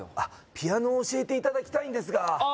ピアノを教えていただきたいんですがああ